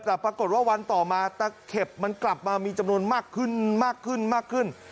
แต่ปรากฏว่าวันต่อมาตะเข็บมันกลับมามีจำนวนมากขึ้น